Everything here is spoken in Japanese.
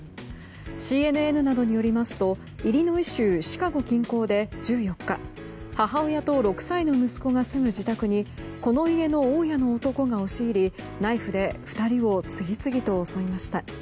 ＣＮＮなどによりますとイリノイ州シカゴ近郊で１４日母親と６歳の息子が住む自宅にこの家の大家の男が押し入りナイフで２人を次々と襲いました。